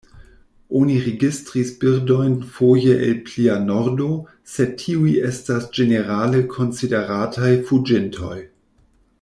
Oni registris birdojn foje el plia nordo, sed tiuj estas ĝenerale konsiderataj fuĝintoj.